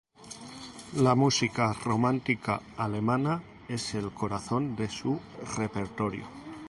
La música romántica alemana es el corazón de su repertorio.